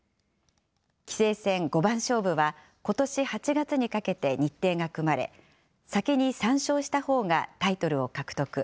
棋聖戦五番勝負はことし８月にかけて日程が組まれ、先に３勝したほうがタイトルを獲得。